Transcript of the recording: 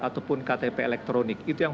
ataupun ktp elektronik itu yang